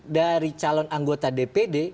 dari calon anggota dpd